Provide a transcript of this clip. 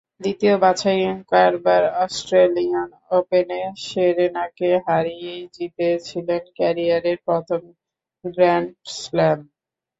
দ্বিতীয় বাছাই কারবার অস্ট্রেলিয়ান ওপেনে সেরেনাকে হারিয়েই জিতেছিলেন ক্যারিয়ারের প্রথম গ্র্যান্ড স্লাম।